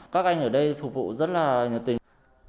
các anh ở đây phục vụ rất là nhiệt tình